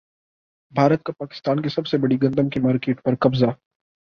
بھارت کا پاکستان کی سب سے بڑی گندم کی مارکیٹ پر قبضہ